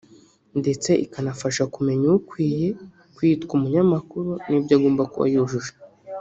ndetse ikanafasha kumenya ukwiye kwitwa umunyamakuru n’ibyo agomba kuba yujuje